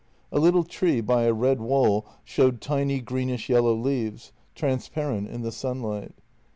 A little tree by a red wall showed tiny greenish yellow leaves, transparent in the sunlight.